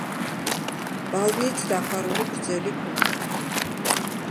ბალნით დაფარული გრძელი კუდი.